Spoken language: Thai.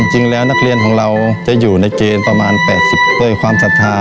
จริงแล้วนักเรียนของเราจะอยู่ในเกณฑ์ประมาณ๘๐ด้วยความศรัทธา